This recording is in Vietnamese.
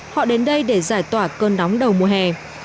họ đến đây để giải tỏa cơn nóng đầu mùa hè